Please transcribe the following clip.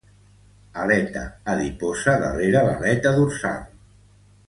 Aleta adiposa darrere l'aleta dorsal.